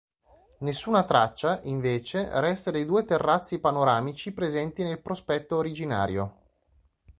Nessuna traccia, invece, resta dei due terrazzi panoramici presenti nel prospetto originario.